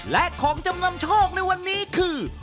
และของจำนำโชคในวันนี้คือ